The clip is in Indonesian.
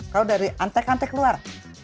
kalau dari antek antek keluar